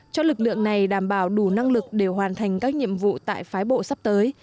cho lực lượng này đảm bảo đủ năng lực để hoàn thành các nhiệm vụ tại phái bộ sắp tới